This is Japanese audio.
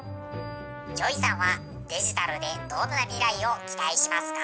ＪＯＹさんはデジタルでどんな未来を期待しますか？